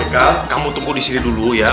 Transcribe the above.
eka kamu tunggu disini dulu ya